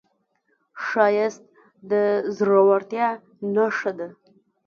ښایست د زړورتیا نښه ده